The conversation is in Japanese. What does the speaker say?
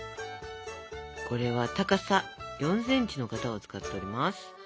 これは高さ４センチの型を使っております。